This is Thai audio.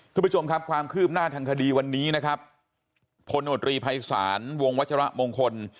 คุณผู้ชมครับความคืบหน้าทางคดีวันนี้นะครับพลโนตรีภัยศาลวงวัชระมงคล